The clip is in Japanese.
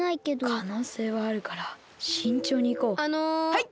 はい！